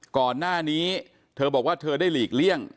ก่อนหน้านี้เธอบอกว่าเธอได้หลีกเลี่ยง